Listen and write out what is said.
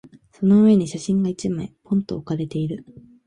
その上に写真が一枚、ぽんと置かれている。